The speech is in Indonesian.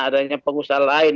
adanya pengusaha lain